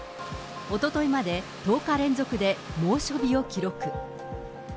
おとといまで１０日連続で猛暑日を記録。